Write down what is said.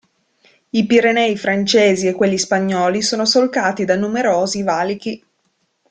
I Pirenei francesi e quelli spagnoli sono solcati da numerosi valichi.